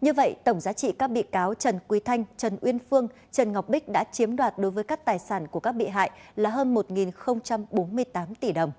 như vậy tổng giá trị các bị cáo trần quý thanh trần uyên phương trần ngọc bích đã chiếm đoạt đối với các tài sản của các bị hại là hơn một bốn mươi tám tỷ đồng